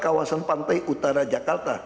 kawasan pantai utara jakarta